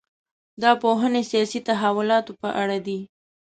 دا پوهنې سیاسي تحولاتو په اړه دي.